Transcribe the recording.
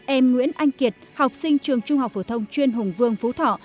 em nguyễn anh kiệt học sinh trường trung học phổ thông chuyên hùng vương phú thọ